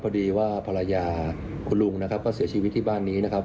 พอดีว่าภรรยาคุณลุงนะครับก็เสียชีวิตที่บ้านนี้นะครับ